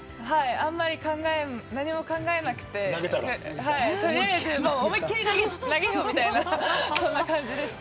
あんまり、何も考えなくて取りあえず思いっ切り投げようみたいな感じでした。